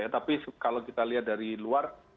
tapi kalau kita lihat dari luar